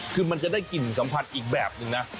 คือมันจะได้กลิ่นสัมผัสอีกแบบนึงนะ